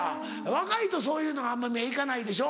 若い人そういうのはあんま目行かないでしょ？